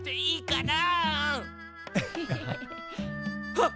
はっ！